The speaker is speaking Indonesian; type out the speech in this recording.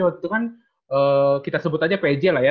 waktu itu kan kita sebut aja pj lah ya